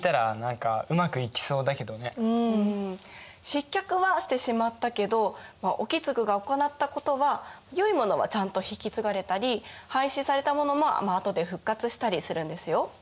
失脚はしてしまったけど意次が行ったことはよいものはちゃんと引き継がれたり廃止されたものもあとで復活したりするんですよ。